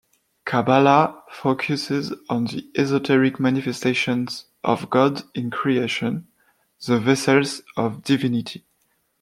Kabbalah focuses on the esoteric manifestations of God in Creation, the vessels of Divinity.